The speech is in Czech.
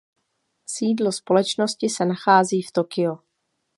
Sídlo společnosti se nachází v Tokio.